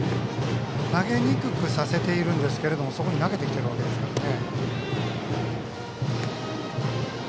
投げにくくさせているんですがそこに投げてきているわけですからね。